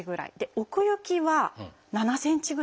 奥行きは７ｃｍぐらいあります。